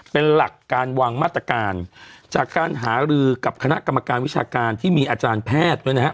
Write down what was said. เป็นหลักการวางมาตรการจากการหารือกับคณะกรรมการวิชาการที่มีอาจารย์แพทย์ด้วยนะฮะ